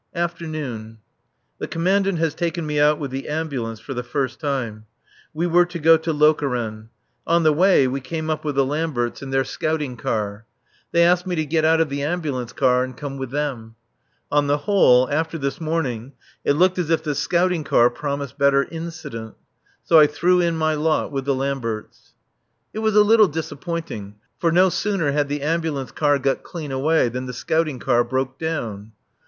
[Afternoon.] The Commandant has taken me out with the Ambulance for the first time. We were to go to Lokeren. On the way we came up with the Lamberts in their scouting car. They asked me to get out of the Ambulance car and come with them. On the whole, after this morning, it looked as if the scouting car promised better incident. So I threw in my lot with the Lamberts. It was a little disappointing, for no sooner had the Ambulance car got clean away than the scouting car broke down.